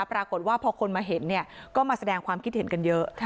ปรากฏว่าพอคนมาเห็นก็มาแสดงความคิดเห็นกันเยอะ